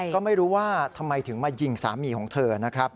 ก็ไม่รู้ว่าทำไมถึงมายิงสามีของเธอนะครับ